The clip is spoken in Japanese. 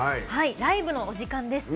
ライブのお時間です。